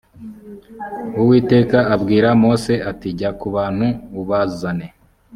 uwiteka abwira mose ati jya ku bantu ubazane